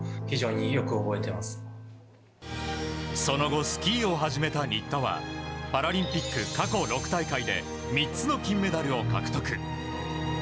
その後、スキーを始めた新田はパラリンピック過去６大会で３つの金メダルを獲得。